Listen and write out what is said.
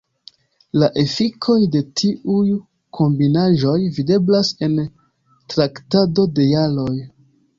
La efikoj de tiuj kombinaĵoj videblas en traktado de jaroj.